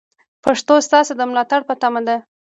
پښتو ستاسو د ملاتړ په تمه ده.